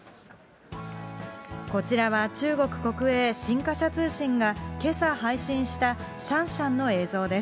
こちらは中国国営新華社通信がけさ配信したシャンシャンの映像で